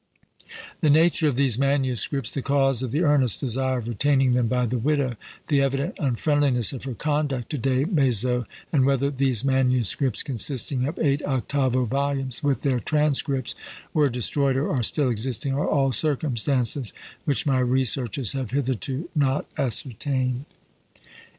The nature of these manuscripts; the cause of the earnest desire of retaining them by the widow; the evident unfriendliness of her conduct to Des Maizeaux; and whether these manuscripts, consisting of eight octavo volumes with their transcripts, were destroyed, or are still existing, are all circumstances which my researches have hitherto not ascertained.